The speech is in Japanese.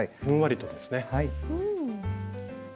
ふんわりとですね。